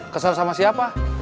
kesal sama siapa